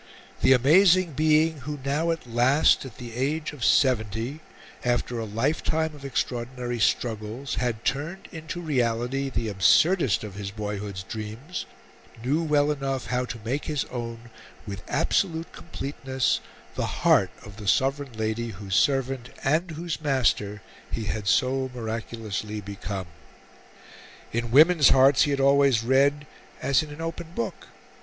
The amazing being, who now at last, at the age of seventy, after a lifetime of extraordinary struggles, had turned into reality the absurdest of his boyhood's dreams, knew well enough how to make his own, with absolute completeness, the heart of the Sovereign Lady whose servant, and whose master, he had so miraculously become. In women's hearts he had always read as in an open book.